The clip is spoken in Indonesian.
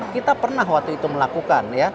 kita pernah waktu itu melakukan